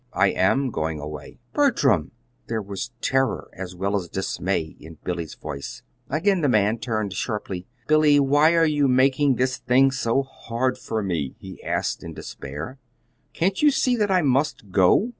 "I am going away." "Bertram!" There was terror as well as dismay in Billy's voice. Again the man turned sharply. "Billy, why are you making this thing so hard for me?" he asked in despair. "Can't you see that I must go?"